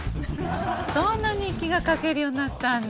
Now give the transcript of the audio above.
そんな日記が書けるようになったんだ。